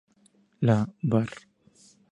La var.